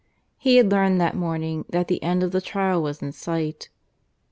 He had learned that morning that the end of the trial was in sight.